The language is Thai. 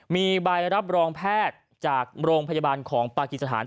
มีใบรับรองแพทย์จากโรงพยาบาลของปากิสถาน